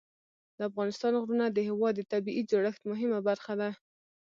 د افغانستان غرونه د هېواد د طبیعي جوړښت مهمه برخه ده.